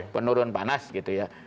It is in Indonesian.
penurun panas gitu ya